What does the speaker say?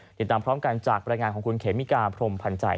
ติดตามพร้อมกันจากบรรยายงานของคุณเขมิกาพรมพันธ์ใจ